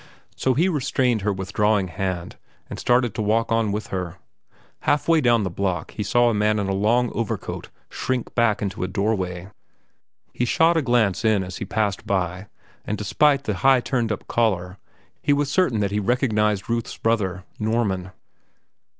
So he restrained her withdrawing hand and started to walk on with her. Halfway down the block, he saw a man in a long overcoat shrink back into a doorway. He shot a glance in as he passed by, and, despite the high turned up collar, he was certain that he recognized Ruth's brother, Norman.